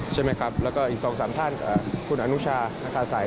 ใช่ไหมครับแล้วก็อีก๒๓ท่านคุณอนุชานาคาสัย